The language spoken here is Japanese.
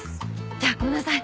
じゃあごめんなさい。